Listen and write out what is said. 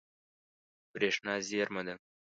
برېښنا زیرمه ده.